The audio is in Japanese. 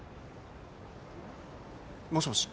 もしもし？